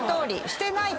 してない。